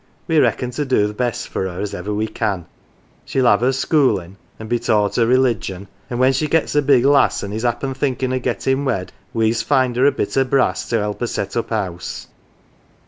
We reckon to do th' best for her as ever we can. She'll have her schoolin' an' be taught her religion, and when she gets a big lass an' is happen thinkin' o' gettin' wed we's find her a bit o' brass to help her set up house.